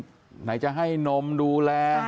ไหนจะให้นมดูแล